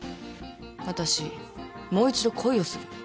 私もう一度恋をする。